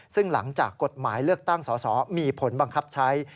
ซึ่งหลังจากกฎหมายเลือกตั้งสอสอมีผลบังคับใช้